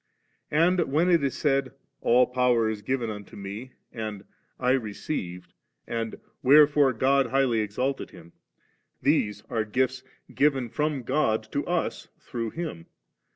And when it is said, ' AU power is given unto Me,' and 'I received,' and 'Wherefore God highly exalted Him,' these are gifts given from God to us through Him.